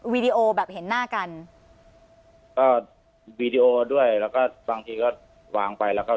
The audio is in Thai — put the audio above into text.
วีดีโอแบบเห็นหน้ากันก็วีดีโอด้วยแล้วก็บางทีก็วางไปแล้วก็